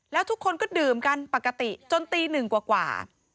แล้วทุกคนก็ดื่มกันปกติจนตีหนึ่งกว่า